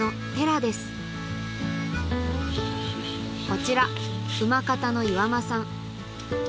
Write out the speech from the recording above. こちら馬方の岩間さん